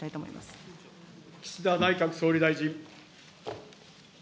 岸田内閣総理大臣。